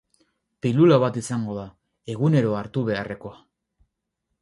Pilula bat izango da, egunero hartu beharrekoa.